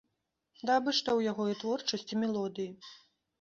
Ды абы што ў яго і творчасць, і мелодыі!